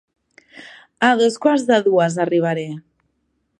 A dos quarts de dues arribaré.